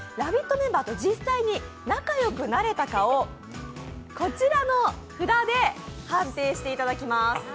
メンバーと実際に仲良くなれたかをこちらの札で、判定していただきます。